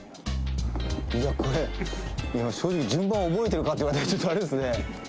いやこれ正直順番覚えてるかって言われるとちょっとあれですね。